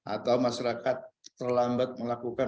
atau masyarakat terlambat melakukan